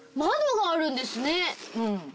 うん。